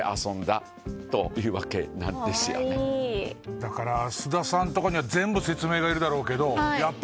だから須田さんとかには全部説明がいるだろうけど笋辰僂